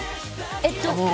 えっと。